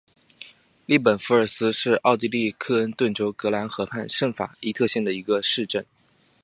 利本弗尔斯是奥地利克恩顿州格兰河畔圣法伊特县的一个市镇。